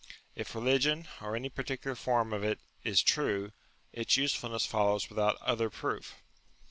If religion, or any particular form of it, is true, its usefulness follows without other proof.